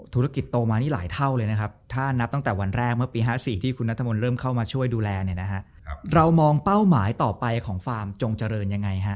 โตมานี่หลายเท่าเลยนะครับถ้านับตั้งแต่วันแรกเมื่อปี๕๔ที่คุณนัทมนต์เริ่มเข้ามาช่วยดูแลเนี่ยนะฮะเรามองเป้าหมายต่อไปของฟาร์มจงเจริญยังไงฮะ